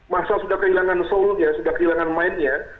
masa sudah kehilangan soulnya sudah kehilangan mainnya